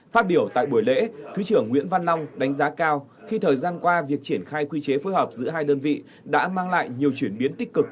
phát biểu tại buổi lễ thứ trưởng nguyễn văn long đánh giá cao khi thời gian qua việc triển khai quy chế phối hợp giữa hai đơn vị đã mang lại nhiều chuyển biến tích cực